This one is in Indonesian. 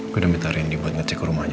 gue udah minta rendy buat ngecek rumahnya